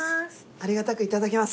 ありがたくいただきます。